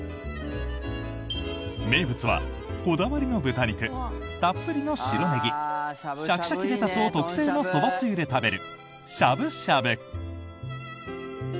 名物は、こだわりの豚肉たっぷりの白ネギシャキシャキレタスを特製のそばつゆで食べるしゃぶしゃぶ。